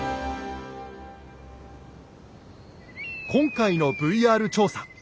今回のＶＲ調査。